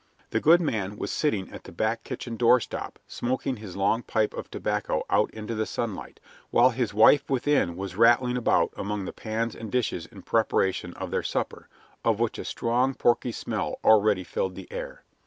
The good man was sitting on the back kitchen doorstep smoking his long pipe of tobacco out into the sunlight, while his wife within was rattling about among the pans and dishes in preparation of their supper, of which a strong, porky smell already filled the air.